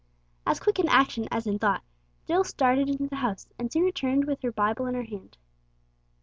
As quick in action as in thought, Jill darted into the house and soon returned with her Bible in her hand.